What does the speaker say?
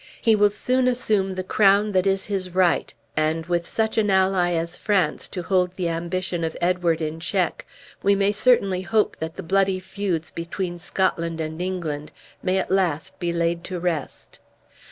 He will soon assume the crown that is his right; and with such an ally as France to hold the ambition of Edward in check, we may certainly hope that the bloody feuds between Scotland and England may at last be laid to rest."